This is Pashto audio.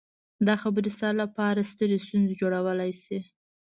دا خبرې ستا لپاره سترې ستونزې جوړولی شي